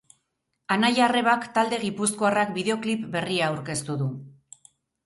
Anai-arrebak talde gipuzkoarrak bideoklip berria aurkeztu du.